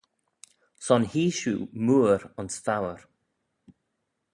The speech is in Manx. Son hee shiu mooar ayns foayr.